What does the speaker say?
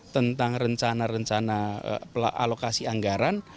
tentang rencana rencana alokasi anggaran